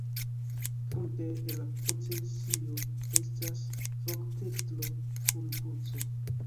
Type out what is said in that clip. Frunte de la procesio estas voktestro kun kruco.